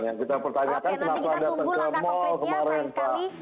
oke nanti kita tunggu langkah konkretnya sayang sekali